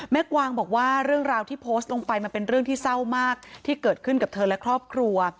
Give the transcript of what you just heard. กวางบอกว่าเรื่องราวที่โพสต์ลงไปมันเป็นเรื่องที่เศร้ามากที่เกิดขึ้นกับเธอและครอบครัว